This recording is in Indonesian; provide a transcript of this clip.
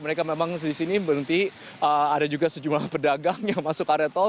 mereka memang di sini berhenti ada juga sejumlah pedagang yang masuk area tol